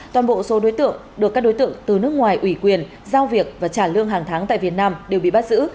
toàn bộ số đối tượng được các đối tượng từ nước ngoài ủy quyền giao việc và trả lương hàng tháng tại việt nam đều bị bắt giữ